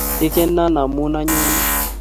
ikenoo amu anyone